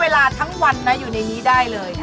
ลงเรือ